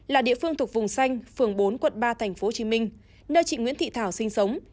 là địa phương thuộc vùng xanh phường bốn quận ba tp hcm nơi chị nguyễn thị thảo sinh sống